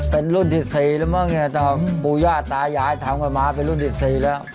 เป็นรุ่นที่๔แล้วมั้งเนี่ยแต่ปู่ย่าตายายทำกันมาเป็นรุ่นที่๔แล้ว